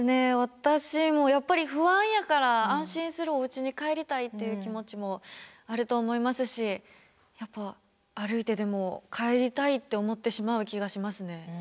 私もやっぱり不安やから安心するおうちに帰りたいっていう気持ちもあると思いますしやっぱ歩いてでも帰りたいって思ってしまう気がしますね。